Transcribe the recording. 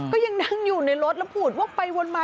ก็ยังนั่งอยู่ในรถแล้วพูดวกไปวนมา